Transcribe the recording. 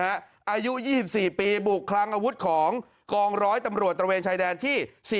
อายุ๒๔ปีบุกคลังอาวุธของกองร้อยตำรวจตระเวนชายแดนที่๔